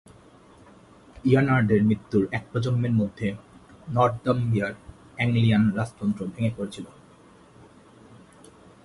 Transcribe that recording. ইয়ানার্ডের মৃত্যুর এক প্রজন্মের মধ্যে, নর্থাম্বিয়ার আ্যংলিয়ান রাজতন্ত্র ভেঙে পড়েছিল।